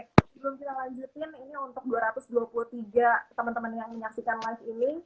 sebelum kita lanjutin ini untuk dua ratus dua puluh tiga teman teman yang menyaksikan live ini